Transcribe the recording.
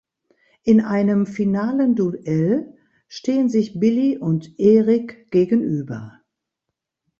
In einem finalen Duell stehen sich Billy und Eric gegenüber.